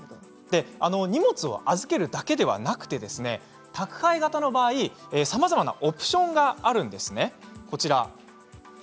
荷物を預けるだけではなくて宅配型の場合、さまざまなオプションがあるんです。